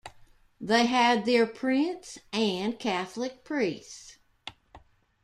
They had their prince and Catholic priests.